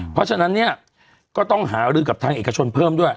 เพราะฉะนั้นเนี่ยก็ต้องหารือกับทางเอกชนเพิ่มด้วย